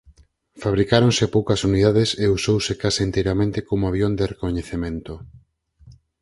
Fabricáronse poucas unidades e usouse case enteiramente como avión de recoñecemento.